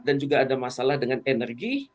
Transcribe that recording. dan juga ada masalah dengan energi